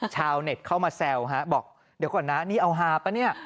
ชาวเน็ตเข้ามาแซวฮะบอกเดี๋ยวก่อนนะนี่เอาฮาป่ะเนี่ย